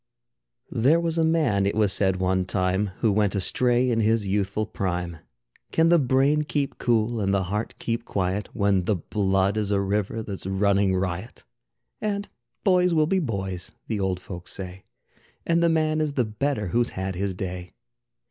There was a man, it was said one time, Who went astray in his youthful prime. Can the brain keep cool and the heart keep quiet When the blood is a river that's running riot? And boys will be boys the old folks say, And the man is the better who's had his day.